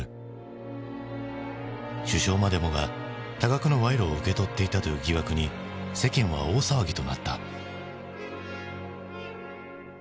首相までもが多額の賄賂を受け取っていたという疑惑に世間は大騒ぎとなった。